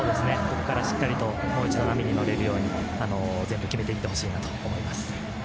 ここからしっかりと、もう一度、波に乗れるように全部決めていってほしいなと思います。